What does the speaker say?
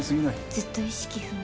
ずっと意識不明。